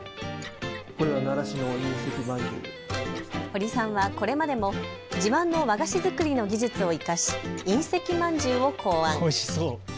堀さんはこれまでも自慢の和菓子作りの技術を生かしいん石まんじゅうを考案。